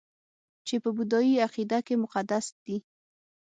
چې په بودايي عقیده کې مقدس دي